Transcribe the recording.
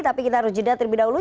tapi kita harus jeda terlebih dahulu